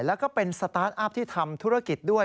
แล้วก็เป็นสตาร์ทอัพที่ทำธุรกิจด้วย